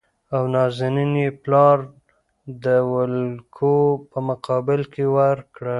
او نازنين يې پلار د اوولکو په مقابل کې ورکړه .